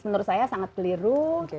menurut saya sangat keliru